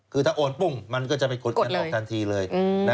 คือถ้าโอนปุ้งมันก็จะไปกดเงินออกทันทีเลย